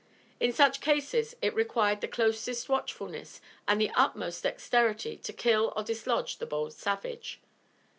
In such cases it required the closest watchfulness and the utmost dexterity to kill or dislodge the bold savage.